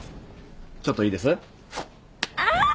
ちょっといいです？